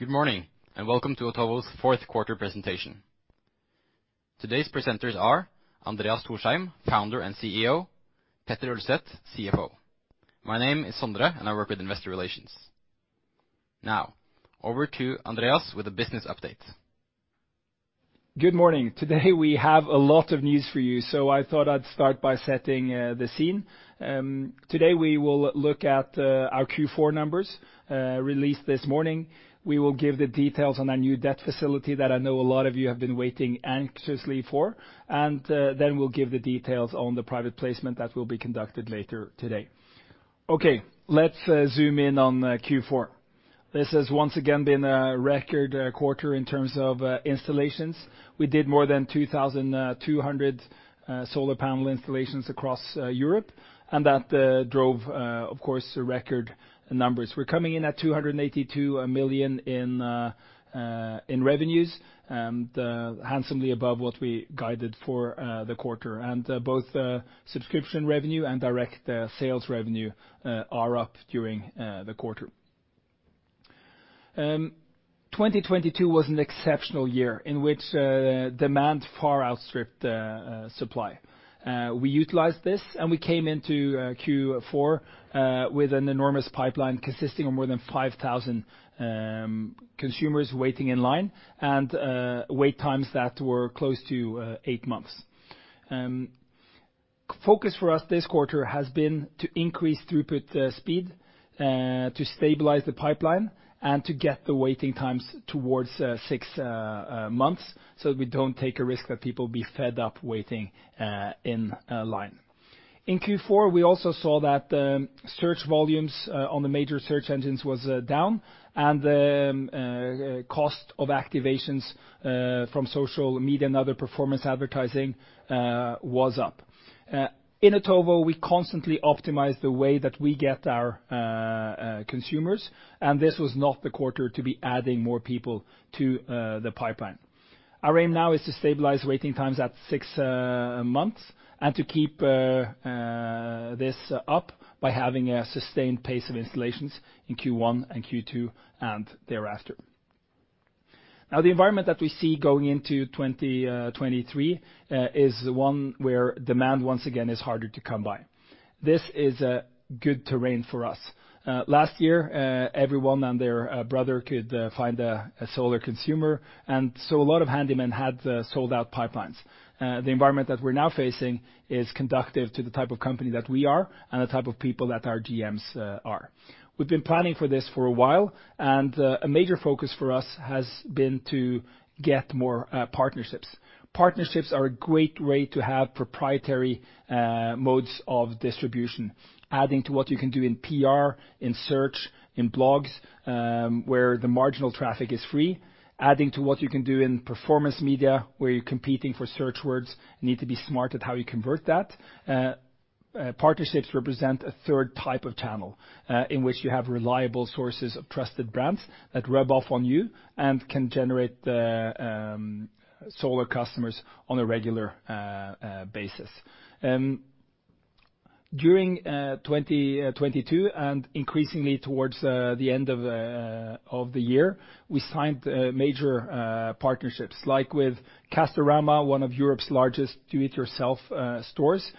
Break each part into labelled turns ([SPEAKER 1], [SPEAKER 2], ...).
[SPEAKER 1] Good morning, and welcome to Otovo's Q4 Presentation. Today's presenters are Andreas Thorsheim, Founder and CEO, Petter Ulset, CFO. My name is Sondre, and I work with Investor Relations. Now, over to Andreas with a business update.
[SPEAKER 2] Good morning. Today we have a lot of news for you. I thought I'd start by setting the scene. Today we will look at our Q4 numbers released this morning. We will give the details on our new debt facility that I know a lot of you have been waiting anxiously for. We'll give the details on the private placement that will be conducted later today. Let's zoom in on Q4. This has once again been a record quarter in terms of installations. We did more than 2,200 solar panel installations across Europe. That drove, of course, record numbers. We're coming in at 282 million in revenues, handsomely above what we guided for the quarter. Both, subscription revenue and direct, sales revenue, are up during, the quarter. 2022 was an exceptional year in which demand far outstripped supply. We utilized this, we came into Q4 with an enormous pipeline consisting of more than 5,000 consumers waiting in line and wait times that were close to eight months. Focus for us this quarter has been to increase throughput speed, to stabilize the pipeline and to get the waiting times towards six months so, we don't take a risk that people be fed up waiting in line. In Q4, we also saw that search volumes on the major search engines was down and the cost of activations from social media and other performance advertising was up. In Otovo, we constantly optimize the way that we get our consumers, and this was not the quarter to be adding more people to the pipeline. Our aim now is to stabilize waiting times at six months and to keep this up by having a sustained pace of installations in Q1 and Q2 and thereafter. Now, the environment that we see going into 2023 is one where demand once again is harder to come by. This is a good terrain for us. Last year, everyone and their brother could find a solar consumer, and so a lot of handymen had sold-out pipelines. The environment that we're now facing is conducive to the type of company that we are and the type of people that our GMs are. We've been planning for this for a while, and a major focus for us has been to get more partnerships. Partnerships are a great way to have proprietary modes of distribution. Adding to what you can do in PR, in search, in blogs, where the marginal traffic is free. Adding to what you can do in performance media, where you're competing for search words, need to be smart at how you convert that. Partnerships represent a third type of channel in which you have reliable sources of trusted brands that rub off on you and can generate the solar customers on a regular basis. During 2022 and increasingly towards the end of the year, we signed major partnerships like with Castorama, one of Europe's largest do-it-yourself stores,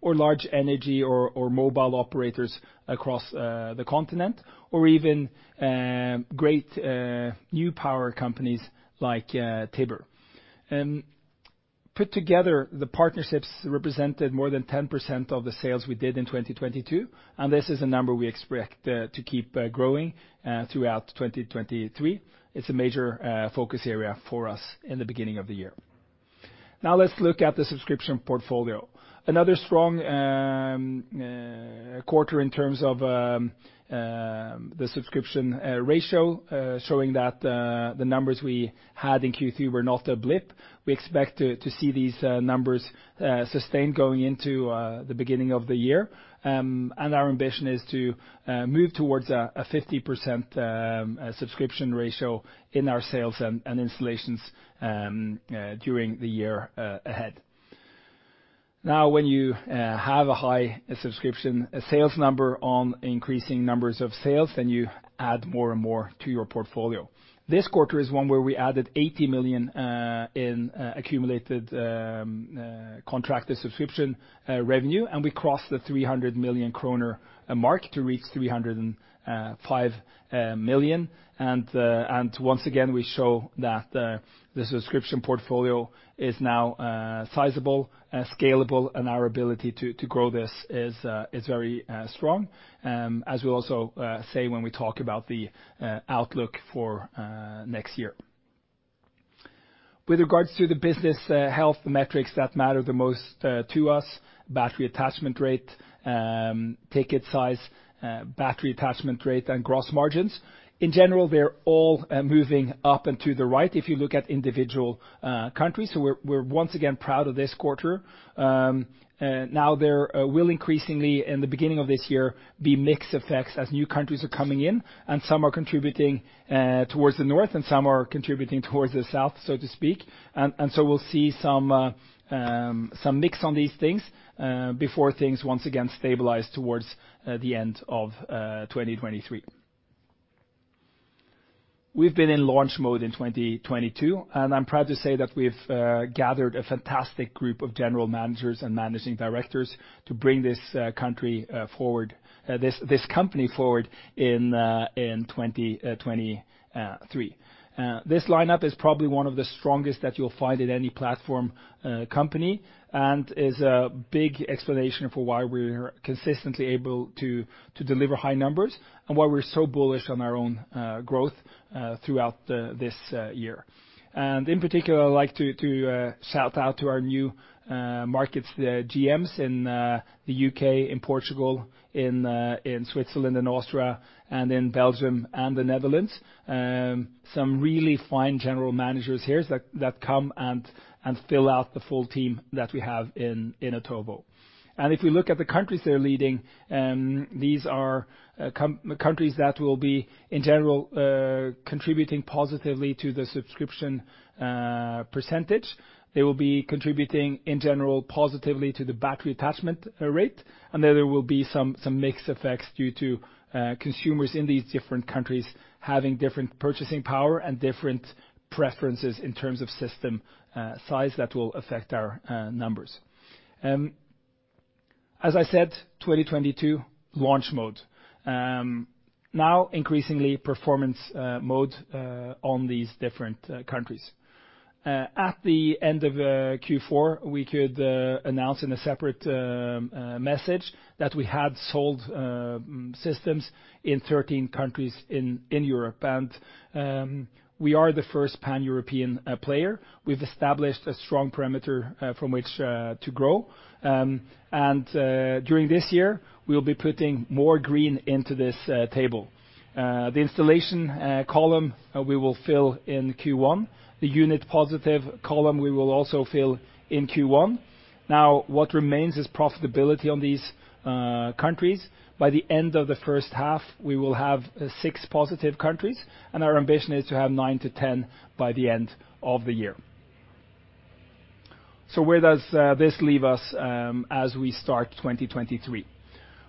[SPEAKER 2] or large energy or mobile operators across the continent, or even great new power companies like Tibber. Put together the partnerships represented more than 10% of the sales we did in 2022, and this is a number we expect to keep growing throughout 2023. It's a major focus area for us in the beginning of the year. Let's look at the subscription portfolio. Another strong quarter in terms of the subscription ratio, showing that the numbers we had in Q3 were not a blip. We expect to see these numbers sustained going into the beginning of the year. Our ambition is to move towards a 50% subscription ratio in our sales and installations during the year ahead. When you have a high subscription sales number on increasing numbers of sales, then you add more and more to your portfolio. This quarter is one where we added 80 million in accumulated contracted subscription revenue, and we crossed the 300 million kroner mark to reach 305 million. Once again, we show that the subscription portfolio is now sizable and scalable and our ability to grow this is very strong, as we'll also say when we talk about the outlook for next year. With regards to the business health metrics that matter the most to us, battery attachment rate, ticket size, battery attachment rate, and gross margins, in general, they're all moving up and to the right if you look at individual countries. We're once again proud of this quarter. Now there will increasingly in the beginning of this year be mix effects as new countries are coming in and some are contributing towards the north and some are contributing towards the south, so to speak. We'll see some mix on these things before things once again stabilize towards the end of 2023. We've been in launch mode in 2022, and I'm proud to say that we've gathered a fantastic group of general managers and managing directors to bring this company forward in 2023. This line-up is probably one of the strongest that you'll find at any platform company and is a big explanation for why we're consistently able to deliver high numbers and why we're so bullish on our own growth throughout this year. In particular, I'd like to shout out to our new markets, the GMs in the UK, in Portugal, in Switzerland, and Austria and in Belgium and the Netherlands. Some really fine general managers here that come and fill out the full team that we have in Otovo. If we look at the countries they're leading, these are countries that will be, in general, contributing positively to the subscription percentage. They will be contributing, in general, positively to the battery attachment rate. Then there will be some mixed effects due to consumers in these different countries having different purchasing power and different preferences in terms of system size that will affect our numbers. As I said, 2022, launch mode. Now increasingly performance mode on these different countries. At the end of Q4, we could announce in a separate message that we had sold systems in 13 countries in Europe. We are the first Pan-European player. We've established a strong parameter from which to grow. During this year, we'll be putting more green into this table. The installation column we will fill in Q1. The unit positive column we will also fill in Q1. Now, what remains is profitability on these countries. By the end of the H1, we will have six positive countries, and our ambition is to have nine to 10 by the end of the year. Where does this leave us as we start 2023?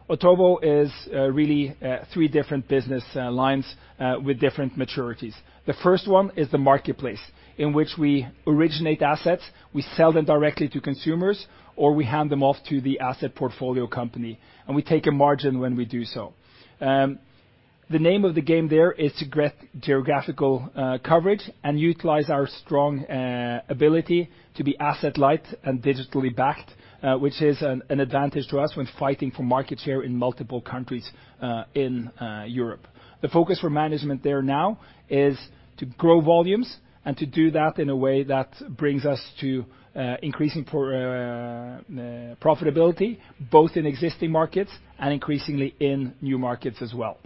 [SPEAKER 2] Otovo is really three different business lines with different maturities. The first one is the marketplace, in which we originate assets, we sell them directly to consumers, or we hand them off to the asset portfolio company, and we take a margin when we do so. The name of the game there is to get geographical coverage and utilize our strong ability to be asset light and digitally backed, which is an advantage to us when fighting for market share in multiple countries in Europe. The focus for management there now is to grow volumes and to do that in a way that brings us to increasing profitability, both in existing markets and increasingly in new markets as well.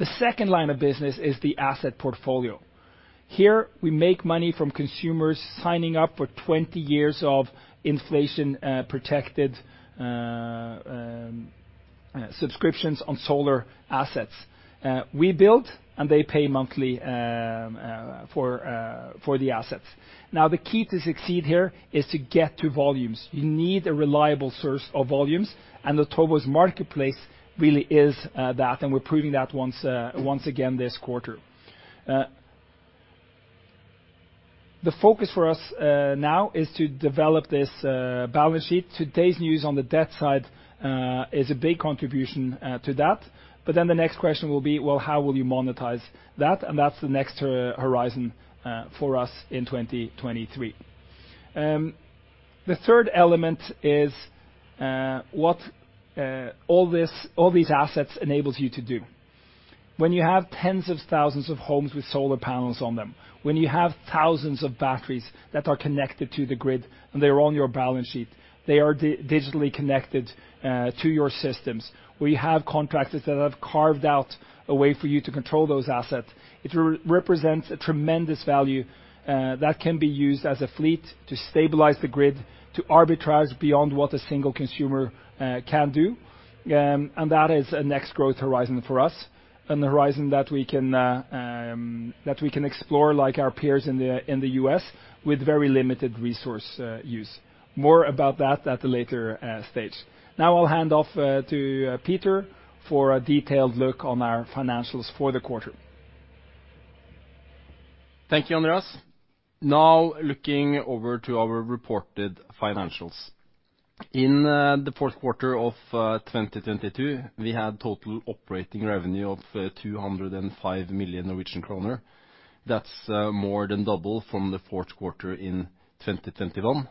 [SPEAKER 2] The second line of business is the asset portfolio. Here, we make money from consumers signing up for 20 years of inflation protected subscriptions on solar assets. We build, and they pay monthly for the assets. The key to succeed here is to get to volumes. You need a reliable source of volumes, and Otovo's marketplace really is that, and we're proving that once again this quarter. The focus for us now is to develop this balance sheet. Today's news on the debt side is a big contribution to that. The next question will be, well, how will you monetize that? That's the next horizon for us in 2023. The third element is what all these assets enables you to do. When you have tens of thousands of homes with solar panels on them, when you have thousands of batteries that are connected to the grid, and they're on your balance sheet, they are digitally connected to your systems. We have contractors that have carved out a way for you to control those assets. It represents a tremendous value that can be used as a fleet to stabilize the grid, to arbitrage beyond what a single consumer can do. That is a next growth horizon for us and the horizon that we can explore like our peers in the U.S. with very limited resource use. More about that at a later stage. I'll hand off to Peter for a detailed look on our financials for the quarter.
[SPEAKER 3] Thank you, Andreas. Now looking over to our reported financials. In the Q4 of 2022, we had total operating revenue of 205 million Norwegian kroner. That's more than double from the Q4 in 2021.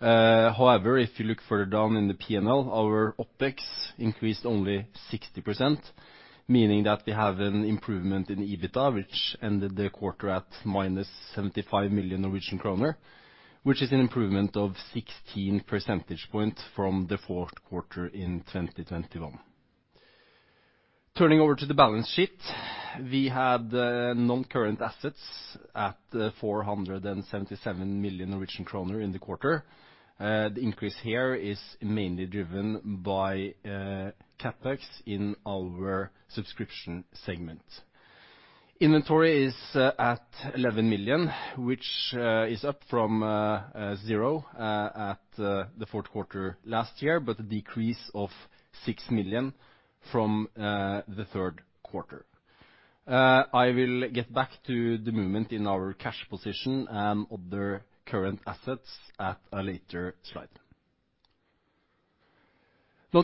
[SPEAKER 3] However, if you look further down in the P&L, our OpEx increased only 60%, meaning that we have an improvement in EBITDA, which ended the quarter at -75 million Norwegian kroner, which is an improvement of 16 percentage points from the Q4 in 2021. Turning over to the balance sheet, we had non-current assets at 477 million Norwegian kroner in the quarter. The increase here is mainly driven by CapEx in our subscription segment. Inventory is at 11 million, which is up from zero at the Q4 last year, but a decrease of 6 million from the Q3. I will get back to the movement in our cash position and other current assets at a later slide.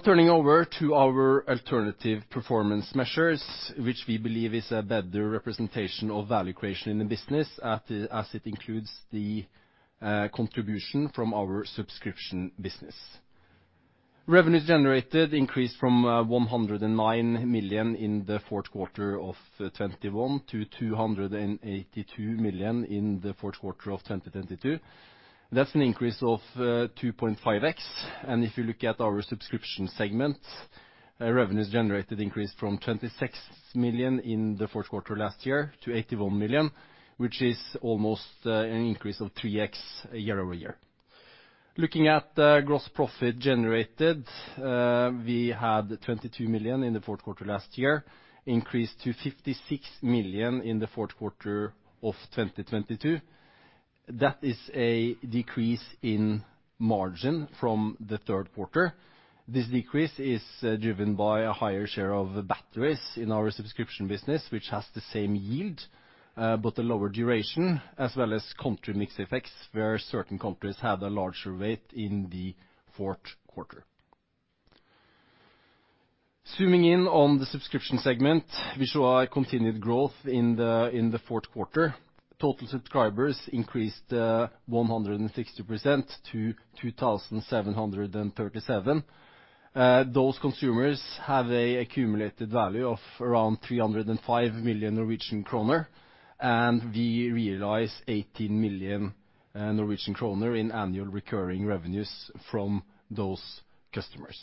[SPEAKER 3] Turning over to our Alternative Performance Measures, which we believe is a better representation of value creation in the business at, as it includes the contribution from our subscription business. Revenues Generated increased from 109 million in the Q4 of 2021 to 282 million in the Q4 of 2022. That's an increase of 2.5x. If you look at our subscription segment, Revenues Generated increase from 26 million in the Q4 last year to 81 million, which is almost an increase of 3x year-over-year. Looking at the Gross Profit Generated, we had 22 million in the Q4 last year, increased to 56 million in the Q4 of 2022. That is a decrease in margin from the Q3. This decrease is driven by a higher share of batteries in our subscription business, which has the same yield, but a lower duration as well as country mix effects, where certain countries had a larger weight in the Q4. Zooming in on the subscription segment, we saw a continued growth in the Q4. Total subscribers increased 160% to 2,737. Those consumers have a accumulated value of around 305 million Norwegian kroner, and we realize 18 million Norwegian kroner in Annual Recurring Revenue from those customers.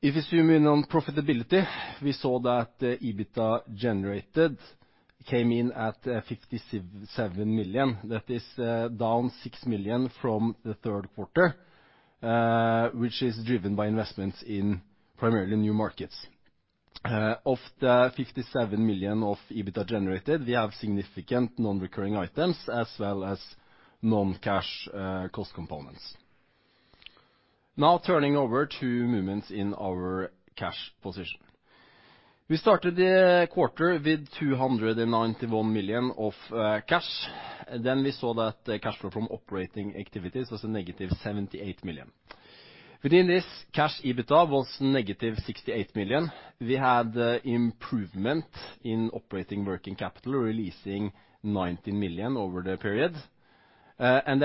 [SPEAKER 3] If you zoom in on profitability, we saw that the EBITDA generated came in at 57 million. That is down 6 million from the Q3, which is driven by investments in primarily new markets. Of the 57 million of EBITDA generated, we have significant non-recurring items as well as non-cash cost components. Turning over to movements in our cash position. We started the quarter with 291 million of cash. We saw that cash flow from operating activities was a -78 million. Within this cash, EBITDA was -68 million. We had improvement in operating working capital, releasing 19 million over the period.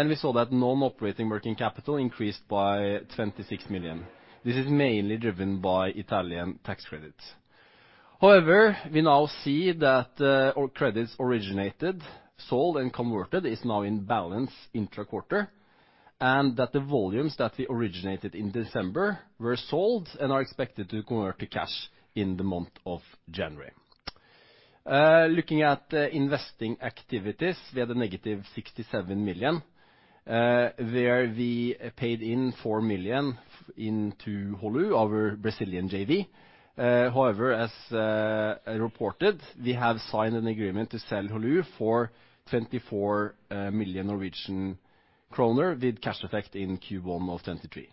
[SPEAKER 3] We saw that non-operating working capital increased by 26 million. This is mainly driven by Italian tax credits. However, we now see that our credits originated, sold, and converted is now in balance intra-quarter, and that the volumes that we originated in December were sold and are expected to convert to cash in the month of January. Looking at investing activities, we had a -67 million, where we paid in 4 million into Holu, our Brazilian JV. However, as reported, we have signed an agreement to sell Holu for 24 million Norwegian kroner with cash effect in Q1 of 2023.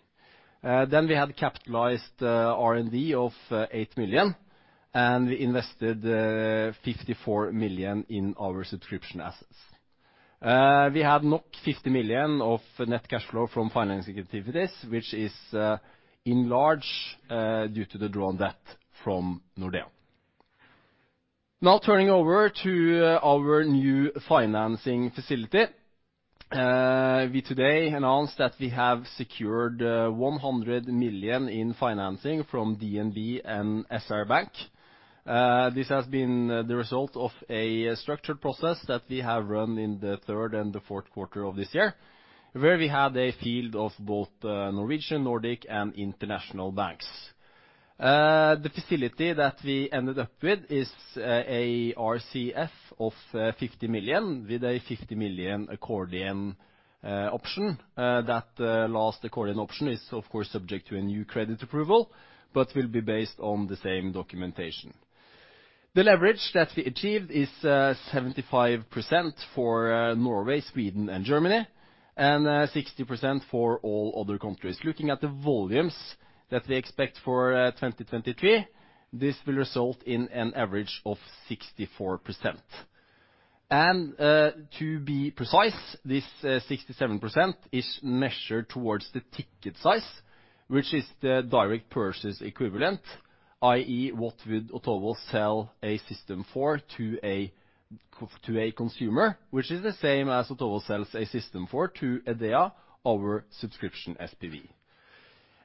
[SPEAKER 3] We had capitalized R&D of 8 million, and we invested 54 million in our subscription assets. We had not NOK 50 million of net cash flow from financing activities, which is in large due to the drawn debt from Nordea. Turning over to our new financing facility. We today announced that we have secured 100 million in financing from DNB and SR Bank. This has been the result of a structured process that we have run in the Q3 and the Q4 of this year, where we had a field of both Norwegian, Nordic and international banks. The facility that we ended up with is a RCF of 50 million, with a 50 million accordion option. That last accordion option is of course subject to a new credit approval, but will be based on the same documentation. The leverage that we achieved is 75% for Norway, Sweden and Germany, 60% for all other countries. Looking at the volumes that we expect for 2023, this will result in an average of 64%. To be precise, this 67% is measured towards the ticket size, which is the direct purchase equivalent, i.e., what would Otovo sell a system for to a consumer, which is the same as Otovo sells a system for to EDEA, our subscription SPV.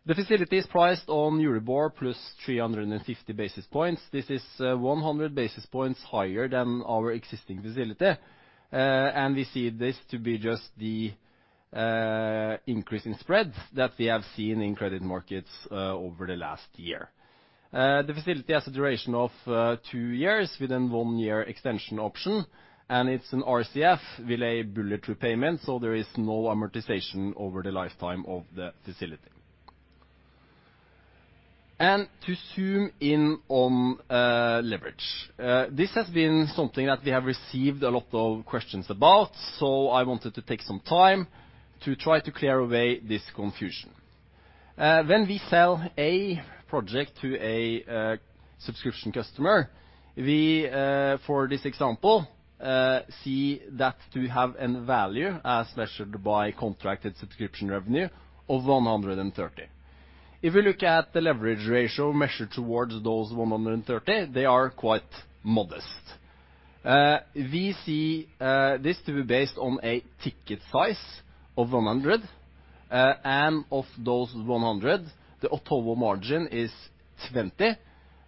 [SPEAKER 3] The facility is priced on Euribor plus 350 basis points. This is 100 basis points higher than our existing facility. We see this to be just the increase in spreads that we have seen in credit markets over the last year. The facility has a duration of two years within one year extension option. It's an RCF with a bullet repayment, so there is no amortization over the lifetime of the facility. To zoom in on leverage. This has been something that we have received a lot of questions about, so I wanted to take some time to try to clear away this confusion. When we sell a project to a subscription customer, we, for this example, see that to have a value as measured by contracted subscription revenue of 130. If we look at the leverage ratio measured towards those 130, they are quite modest. We see this to be based on a ticket size of 100, and of those 100, the Otovo margin is 20,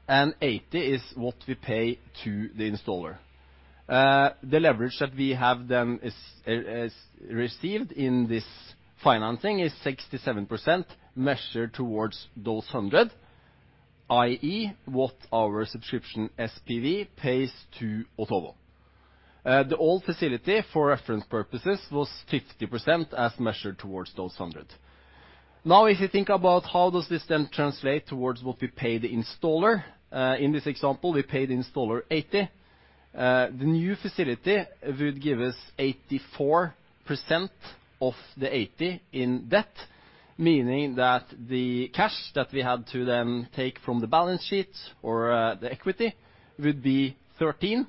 [SPEAKER 3] and 80 is what we pay to the installer. The leverage that we have then is received in this financing is 67% measured towards those 100, i.e., what our subscription SPV pays to Otovo. The old facility for reference purposes was 50% as measured towards those 100. Now, if you think about how does this then translate towards what we pay the installer, in this example, we pay the installer 80. The new facility would give us 84% of the 80 in debt, meaning that the cash that we had to then take from the balance sheet or the equity would be 13,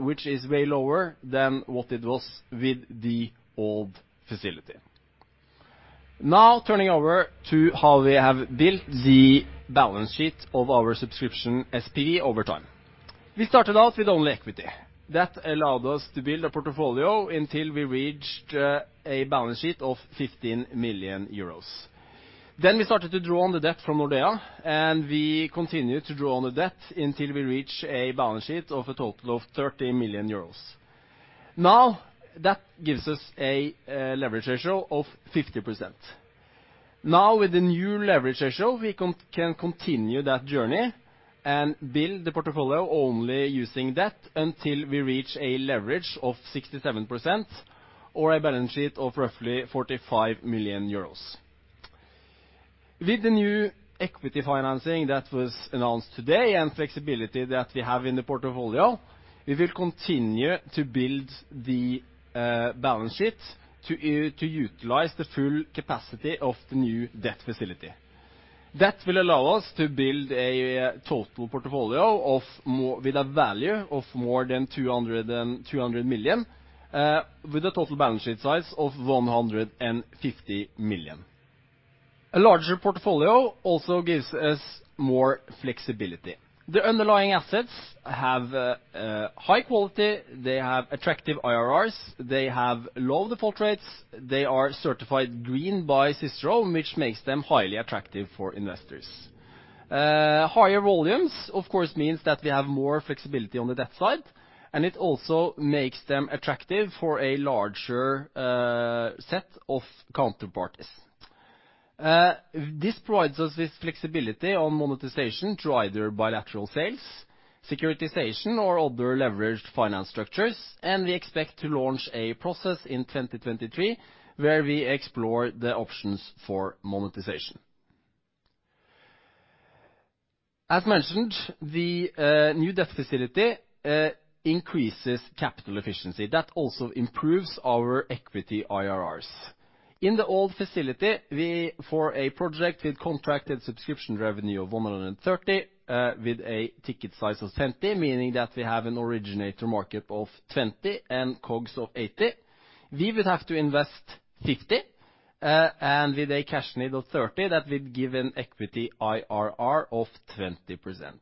[SPEAKER 3] which is way lower than what it was with the old facility. Turning over to how we have built the balance sheet of our subscription SPV over time. We started out with only equity. That allowed us to build a portfolio until we reached a balance sheet of 15 million euros. We started to draw on the debt from Nordea, we continued to draw on the debt until we reached a balance sheet of a total of 30 million euros. That gives us a leverage ratio of 50%. With the new leverage ratio, we can continue that journey and build the portfolio only using debt until we reach a leverage of 67% or a balance sheet of roughly 45 million euros. With the new equity financing that was announced today and flexibility that we have in the portfolio, we will continue to build the balance sheet to utilize the full capacity of the new debt facility. That will allow us to build a total portfolio with a value of more than 200 million with a total balance sheet size of 150 million. A larger portfolio also gives us more flexibility. The underlying assets have high quality. They have attractive IRRs. They have low default rates. They are certified green by Cicero, which makes them highly attractive for investors. Higher volumes, of course, means that we have more flexibility on the debt side, and it also makes them attractive for a larger set of counterparties. This provides us with flexibility on monetization through either bilateral sales, securitization, or other leveraged finance structures. We expect to launch a process in 2023 where we explore the options for monetization. As mentioned, the new debt facility increases capital efficiency. That also improves our equity IRRs. In the old facility, for a project with Contracted Subscription Revenue of 130, with a ticket size of 70, meaning that we have an originator mark-up of 20 and COGS of 80, we would have to invest 50, and with a cash need of 30, that would give an equity IRR of 20%.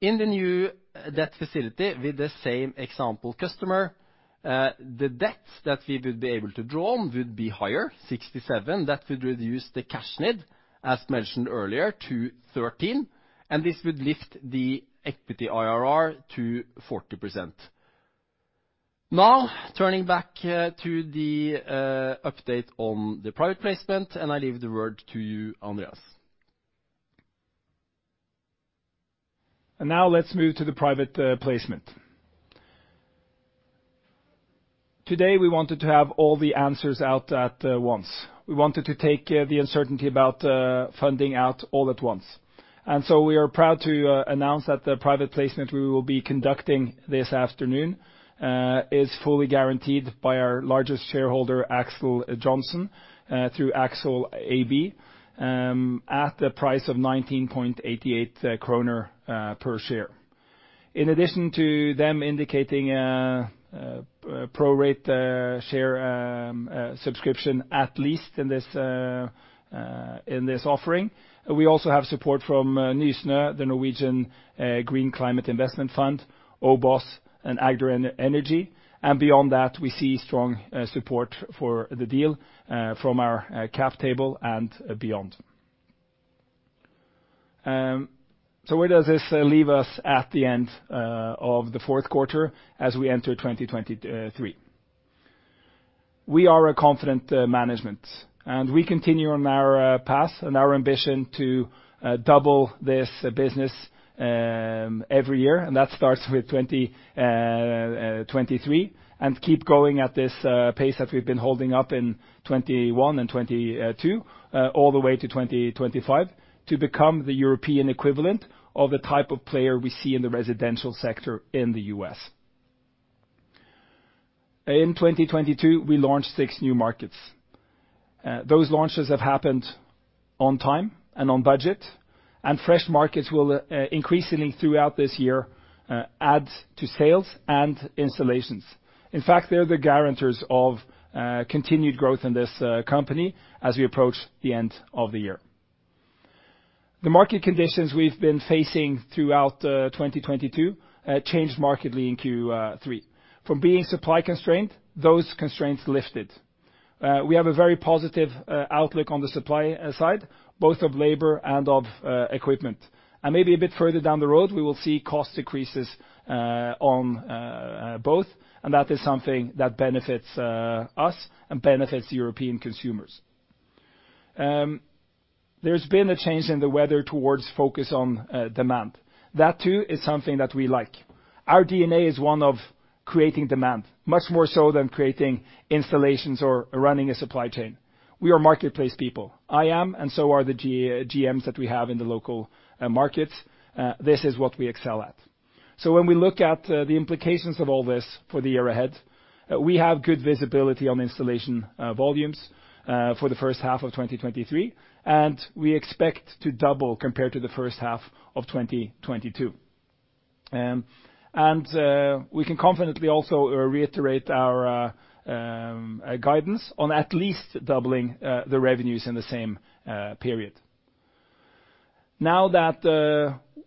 [SPEAKER 3] In the new debt facility with the same example customer, the debts that we would be able to draw on would be higher, 67. That would reduce the cash need, as mentioned earlier, to 13, and this would lift the equity IRR to 40%. Turning back to the update on the private placement. I leave the word to you, Andreas.
[SPEAKER 2] Now let's move to the private placement. Today, we wanted to have all the answers out at once. We wanted to take the uncertainty about funding out all at once. We are proud to announce that the private placement we will be conducting this afternoon is fully guaranteed by our largest shareholder, Axel Johnson, through Axel AB, at the price of 19.88 kroner per share. In addition to them indicating a pro-rate share subscription at least in this offering, we also have support from Nysnø, the Norwegian Green Climate Investment Fund, OBOS, and Agder Energi. Beyond that, we see strong support for the deal from our cap table and beyond. Where does this leave us at the end of the Q4 as we enter 2023? We are a confident management, we continue on our path and our ambition to double this business every year. That starts with 2023, keep going at this pace that we've been holding up in 2021 and 2022 all the way to 2025 to become the European equivalent of the type of player we see in the residential sector in the U.S. In 2022, we launched six new markets. Those launches have happened on time and on budget, fresh markets will increasingly throughout this year add to sales and installations. In fact, they're the guarantors of continued growth in this company as we approach the end of the year. The market conditions we've been facing throughout 2022 changed markedly in Q3. From being supply constrained, those constraints lifted. We have a very positive outlook on the supply side, both of labor and of equipment. Maybe a bit further down the road, we will see cost decreases on both, and that is something that benefits us and benefits European consumers. There's been a change in the weather towards focus on demand. That too is something that we like. Our DNA is one of creating demand, much more so than creating installations or running a supply chain. We are marketplace people. I am, and so are the GMs that we have in the local markets. This is what we excel at. When we look at the implications of all this for the year ahead, we have good visibility on installation volumes for the H1 of 2023, and we expect to double compared to the H1 of 2022. We can confidently also reiterate our guidance on at least doubling the revenues in the same period.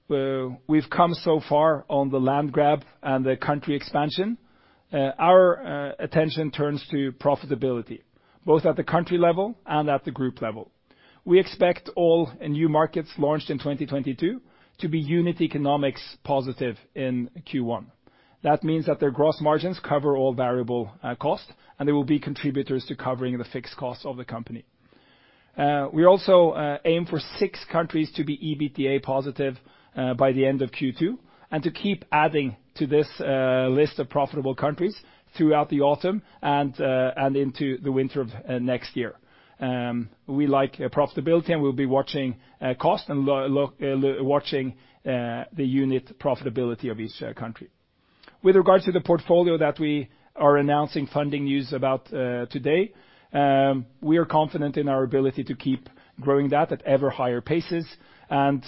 [SPEAKER 2] We've come so far on the land grab and the country expansion, our attention turns to profitability, both at the country level and at the group level. We expect all new markets launched in 2022 to be unit economics positive in Q1. That means that their gross margins cover all variable costs, and they will be contributors to covering the fixed costs of the company. We also aim for six countries to be EBITDA positive by the end of Q2, and to keep adding to this list of profitable countries throughout the autumn and into the winter of next year. We like profitability, and we'll be watching cost and watching the unit profitability of each country. With regards to the portfolio that we are announcing funding news about today, we are confident in our ability to keep growing that at ever higher paces and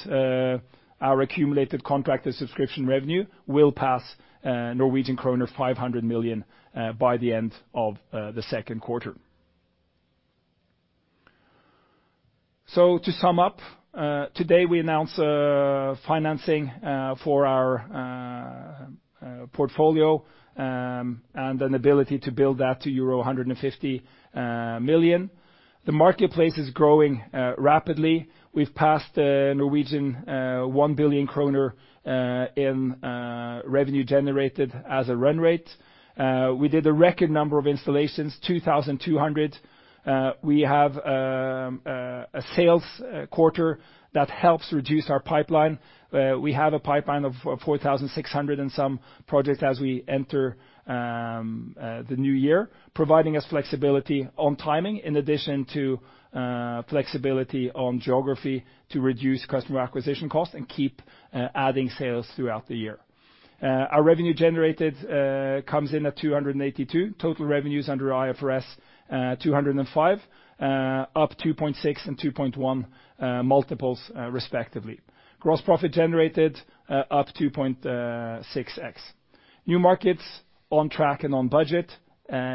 [SPEAKER 2] our accumulated contract and subscription revenue will pass Norwegian kroner 500 million by the end of the Q2. To sum up, today we announce financing for our portfolio, and an ability to build that to euro 150 million. The marketplace is growing rapidly. We've passed 1 billion kroner in Revenues Generated as a run rate. We did a record number of installations 2,200. We have a sales quarter that helps reduce our pipeline. We have a pipeline of 4,600 and some projects as we enter the new year, providing us flexibility on timing, in addition to flexibility on geography to reduce customer acquisition costs and keep adding sales throughout the year. Our Revenues Generated comes in at 282. Total revenues under IFRS 205, upto 2.6 and 2.1 multiples, respectively. Gross Profit Generated up 2.6x. New markets on track and on budget,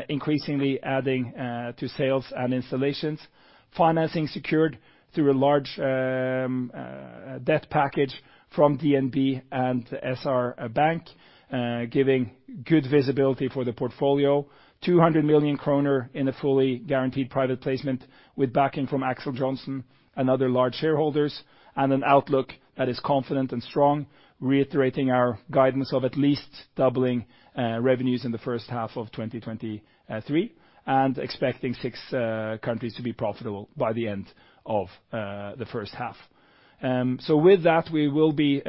[SPEAKER 2] increasingly adding to sales and installations. Financing secured through a large debt package from DNB and SR Bank, giving good visibility for the portfolio. 200 million kroner in a fully guaranteed private placement with backing from Axel Johnson and other large shareholders, and an outlook that is confident and strong, reiterating our guidance of at least doubling revenues in the H1 of 2023, and expecting six countries to be profitable by the end of the H1. With that, we will be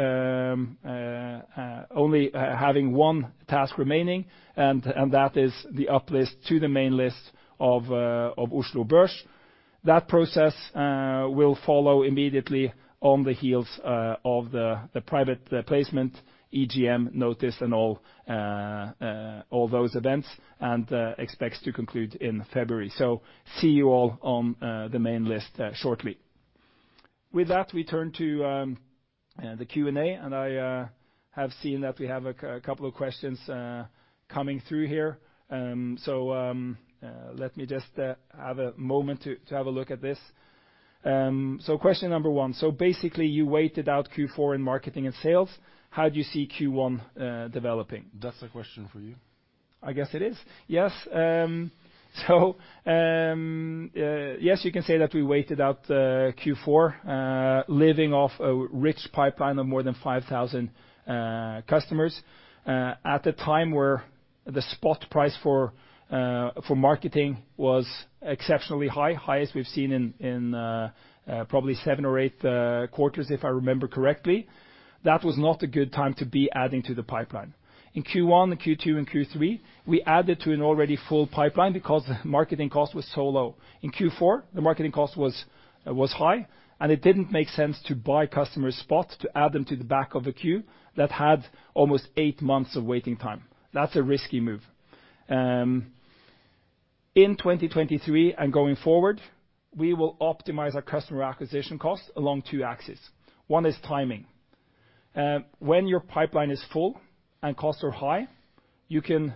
[SPEAKER 2] only having one task remaining, and that is the uplist to the main list of Oslo Børs. That process will follow immediately on the heels of the private placement, EGM notice and all those events, and expects to conclude in February. See you all on the main list shortly. With that, we turn to the Q&A, and I have seen that we have a couple of questions coming through here. Let me just have a moment to have a look at this. Question number one: Basically you waited out Q4 in marketing and sales. How do you see Q1 developing?
[SPEAKER 1] That's a question for you.
[SPEAKER 2] I guess it is. Yes. Yes, you can say that we waited out Q4, living off a rich pipeline of more than 5,000 customers at the time where the spot price for marketing was exceptionally high, highest we've seen in probably Q7 or Q8, if I remember correctly. That was not a good time to be adding to the pipeline. In Q1, Q2, and Q3, we added to an already full pipeline because marketing cost was so low. In Q4, the marketing cost was high, and it didn't make sense to buy customer spots to add them to the back of a queue that had almost eight months of waiting time. That's a risky move. In 2023 and going forward, we will optimize our customer acquisition costs along two axes. One is timing. When your pipeline is full and costs are high, you can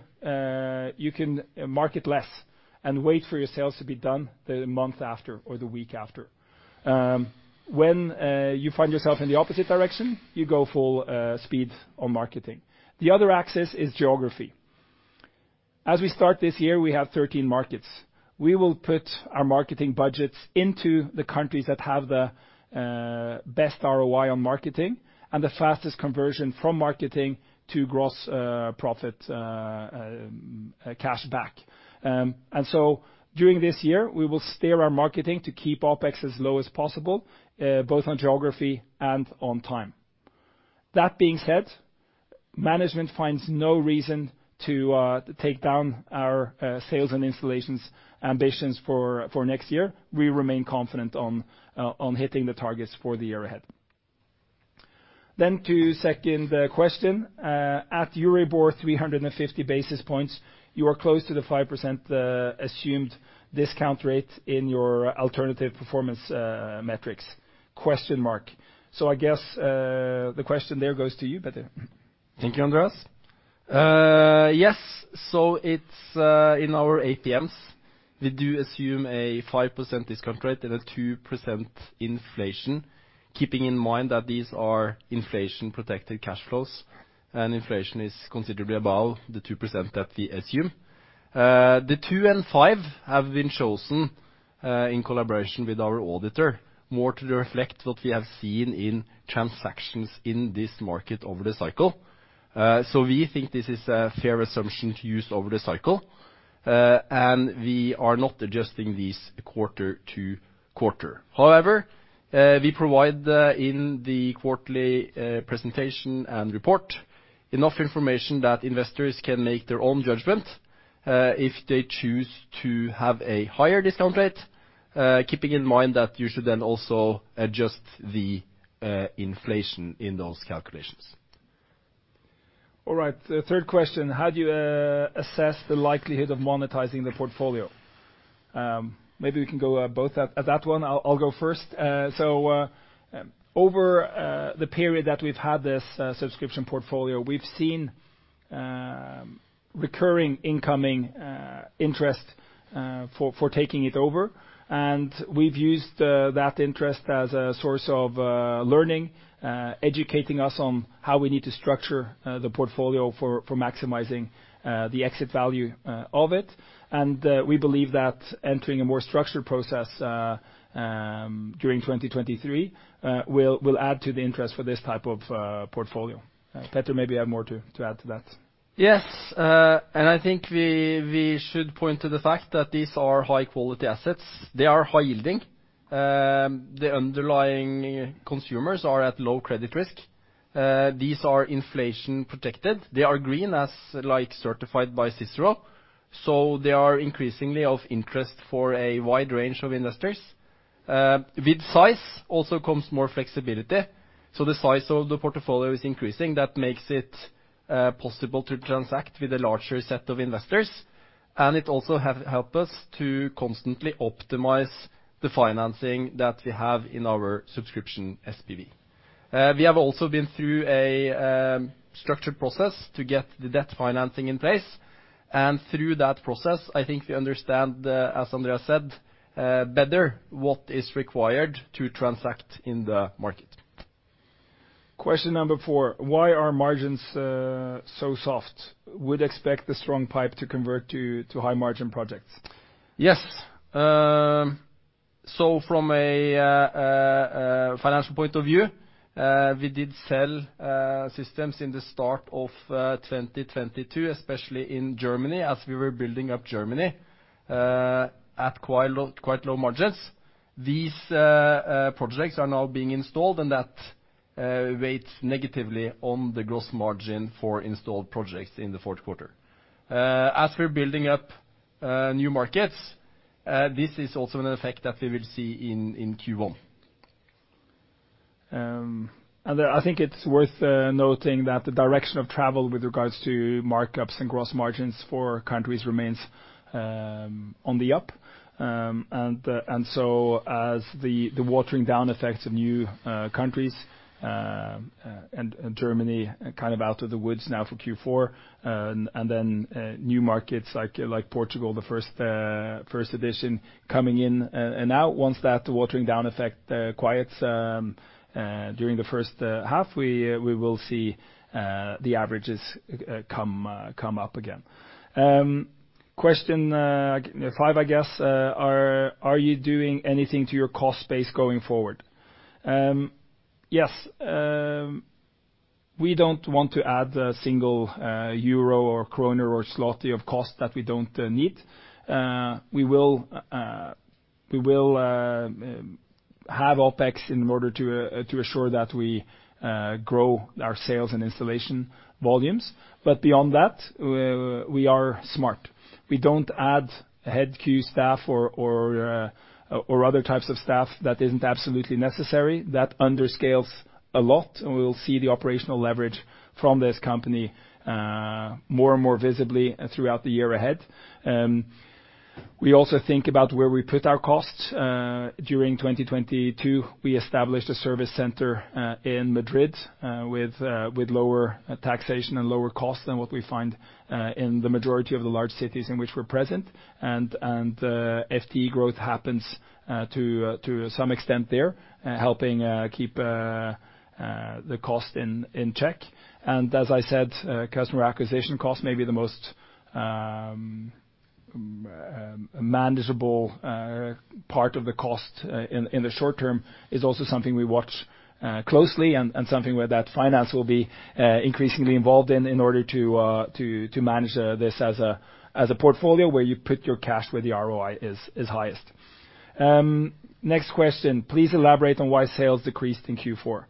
[SPEAKER 2] market less and wait for your sales to be done the month after or the week after. When you find yourself in the opposite direction, you go full speed on marketing. The other axis is geography. As we start this year, we have 13 markets. We will put our marketing budgets into the countries that have the best ROI on marketing and the fastest conversion from marketing to Gross Profit cash back. During this year, we will steer our marketing to keep OpEx as low as possible both on geography and on time. That being said, management finds no reason to take down our sales and installations ambitions for next year. We remain confident on hitting the targets for the year ahead. To second question, at Euribor 350 basis points, you are close to the 5% assumed discount rate in your Alternative Performance Metrics? I guess, the question there goes to you, Petter.
[SPEAKER 3] Thank you, Andreas. Yes. It's in our APM, we do assume a 5% discount rate and a 2% inflation, keeping in mind that these are inflation-protected cash flows and inflation is considerably above the 2% that we assume. The two and five have been chosen in collaboration with our auditor more to reflect what we have seen in transactions in this market over the cycle. We think this is a fair assumption to use over the cycle, and we are not adjusting these quarter-to-quarter. However, we provide in the quarterly presentation and report enough information that investors can make their own judgment, if they choose to have a higher discount rate, keeping in mind that you should then also adjust the inflation in those calculations.
[SPEAKER 2] All right. The third question: how do you assess the likelihood of monetizing the portfolio? Maybe we can go both at that one. I'll go first. Over the period that we've had this subscription portfolio, we've seen recurring incoming interest for taking it over. We've used that interest as a source of learning, educating us on how we need to structure the portfolio for maximizing the exit value of it. We believe that entering a more structured process during 2023 will add to the interest for this type of portfolio. Petter maybe have more to add to that.
[SPEAKER 3] Yes. I think we should point to the fact that these are high-quality assets. They are high yielding. The underlying consumers are at low credit risk. These are inflation protected. They are green as, like, certified by CICERO. They are increasingly of interest for a wide range of investors. With size also comes more flexibility. The size of the portfolio is increasing. That makes it possible to transact with a larger set of investors. It also help us to constantly optimize the financing that we have in our subscription SPV. We have also been through a structured process to get the debt financing in place. Through that process, I think we understand, as Andreas said, better what is required to transact in the market.
[SPEAKER 2] Question number four, why are margins so soft? Would expect the strong pipe to convert to high-margin projects?
[SPEAKER 3] Yes. From a financial point of view, we did sell systems in the start of 2022, especially in Germany, as we were building up Germany, at quite low margins. These projects are now being installed and that weighs negatively on the gross margin for installed projects in the Q4. As we're building up new markets, this is also an effect that we will see in Q1.
[SPEAKER 2] I think it's worth noting that the direction of travel with regards to markups and gross margins for countries remains on the up. As the watering down effects of new countries and Germany kind of out of the woods now for Q4, and then new markets like Portugal, the first edition coming in. Now once that watering down effect quiets during the H1, we will see the averages come up again. Question five I guess. Are you doing anything to your cost base going forward? Yes, we don't want to add a single euro or kroner or zloty of cost that we don't need. We will have OpEx in order to assure that we grow our sales and installation volumes. Beyond that, we are smart. We don't add head Q staff or other types of staff that isn't absolutely necessary. That under-scales a lot, and we'll see the operational leverage from this company more and more visibly throughout the year ahead. We also think about where we put our costs. During 2022, we established a service center in Madrid, with lower taxation and lower costs than what we find in the majority of the large cities in which we're present. FTE growth happens to some extent there helping keep the cost in check. As I said, customer acquisition costs may be the most manageable part of the cost in the short term. Is also something we watch closely and something where that finance will be increasingly involved in order to manage this as a portfolio where you put your cash where the ROI is highest. Next question. Please elaborate on why sales decreased in Q4?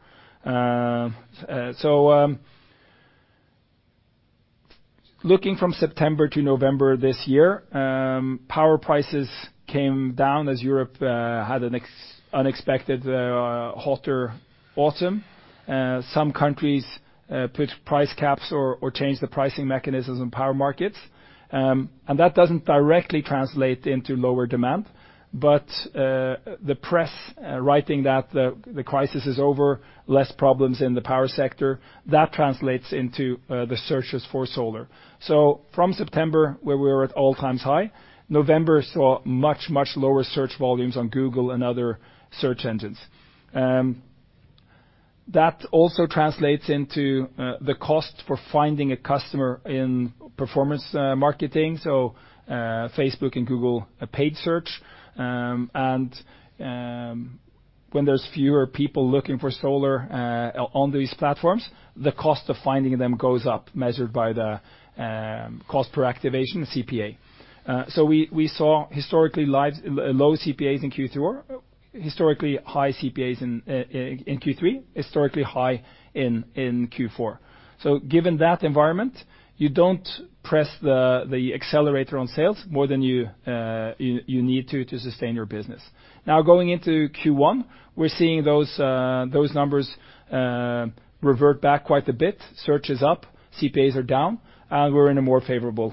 [SPEAKER 2] Looking from September to November this year, power prices came down as Europe had an unexpected hotter autumn. Some countries put price caps or changed the pricing mechanisms in power markets. That doesn't directly translate into lower demand, but the press writing that the crisis is over, less problems in the power sector, that translates into the searches for solar. From September, where we were at all times high, November saw much, much lower search volumes on Google and other search engines. That also translates into the cost for finding a customer in performance marketing, so Facebook and Google paid search. When there's fewer people looking for solar on these platforms, the cost of finding them goes up, measured by the cost per activation, CPA. We saw historically high CPAs in Q3, historically high in Q4. Given that environment, you don't press the accelerator on sales more than you need to sustain your business. Going into Q1, we're seeing those numbers revert back quite a bit. Search is up, CPAs are down, and we're in a more favorable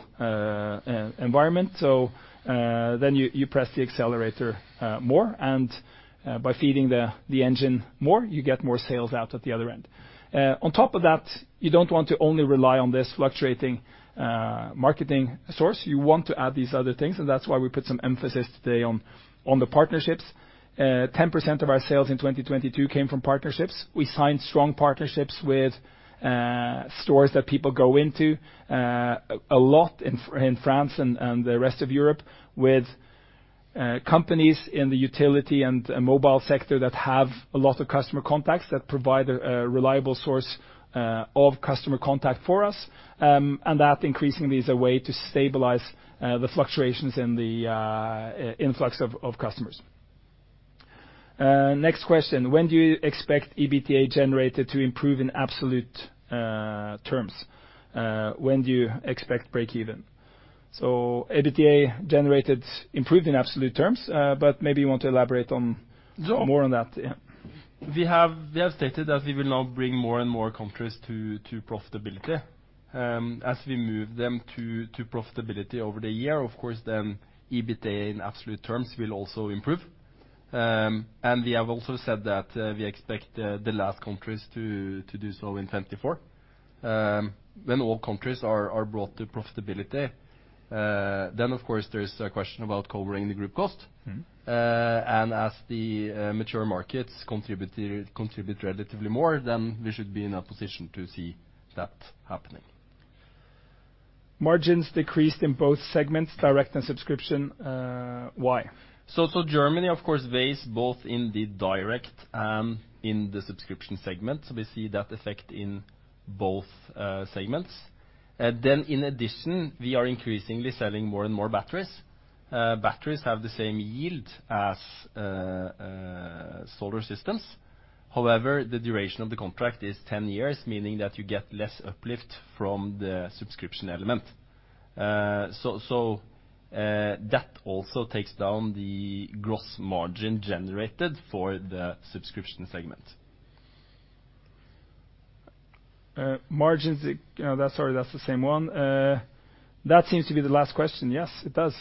[SPEAKER 2] environment. Then you press the accelerator more, and by feeding the engine more, you get more sales out at the other end. On top of that, you don't want to only rely on this fluctuating marketing source. You want to add these other things, and that's why we put some emphasis today on the partnerships. 10% of our sales in 2022 came from partnerships. We signed strong partnerships with stores that people go into a lot in France and the rest of Europe, with companies in the utility and mobile sector that have a lot of customer contacts that provide a reliable source of customer contact for us. That increasingly is a way to stabilize the fluctuations in the influx of customers. Next question. When do you expect EBITDA generated to improve in absolute terms? When do you expect breakeven? EBITDA generated improved in absolute terms, maybe you want to elaborate more on that. Yeah.
[SPEAKER 3] We have stated that we will now bring more and more countries to profitability. As we move them to profitability over the year, of course, then EBITDA in absolute terms will also improve. We have also said that we expect the last countries to do so in 2024. When all countries are brought to profitability, then of course there's a question about covering the group cost. As the mature markets contribute relatively more, then we should be in a position to see that happening.
[SPEAKER 2] Margins decreased in both segments, direct and subscription. Why?
[SPEAKER 3] Germany of course weighs both in the direct and in the subscription segment. We see that effect in both segments. In addition, we are increasingly selling more and more batteries. Batteries have the same yield as solar systems. However, the duration of the contract is 10 years, meaning that you get less uplift from the subscription element. That also takes down the gross margin generated for the subscription segment.
[SPEAKER 2] Margins, that's... Sorry, that's the same one. That seems to be the last question. Yes, it does.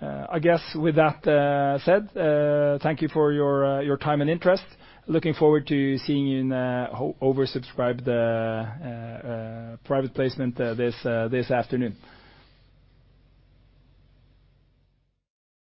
[SPEAKER 2] I guess with that said, thank you for your time and interest. Looking forward to seeing you in the oversubscribed private placement this afternoon.